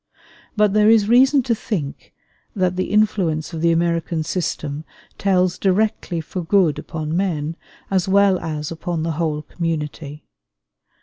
But there is reason to think that the influence of the American system tells directly for good upon men as well as upon the whole community.